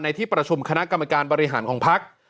ที่ประชุมคณะกรรมการบริหารของพัก